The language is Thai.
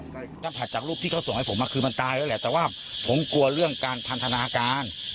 สัมผัสจากรูปที่เขาส่งให้ผมคือมันตายแล้วแหละแต่ว่าผมกลัวเรื่องการพันธนาการ